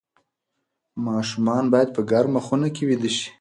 ماشومان باید په ګرمه خونه کې ویده شي.